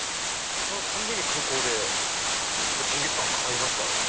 そのたんびに空港でジンギスカン買いますからね。